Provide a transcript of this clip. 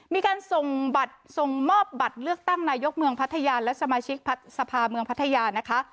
มีการส่งบัตรส่งมอบบัตรเลือกตั้งนายกเมืองพัทยาและสมาชิกสภาเมืองพัทยานะคะ